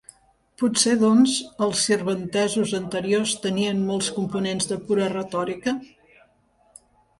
Potser, doncs, els sirventesos anteriors tenien molts components de pura retòrica?